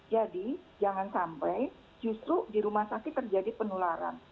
jadi jangan sampai justru di rumah sakit terjadi penularan